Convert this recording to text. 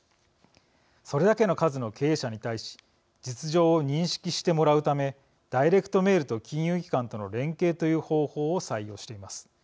それだけの数の経営者に対し実情を認識してもらうためダイレクトメールと金融機関との連携という方法を採用しています。